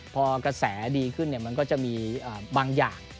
พอกระแสดีขึ้นมันก็จะมีบางอย่าง